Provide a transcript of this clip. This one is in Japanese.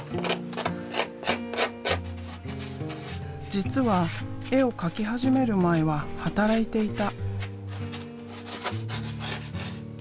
実は絵を描き始める前は働いていた。